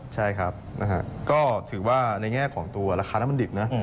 ใช่ครับนะฮะก็ถือว่าในแง่ของตัวราคาน้ำมันดิบนะ